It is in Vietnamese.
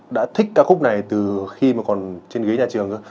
đã thích ca khúc này từ khi mà còn trên ghế nhà trường thôi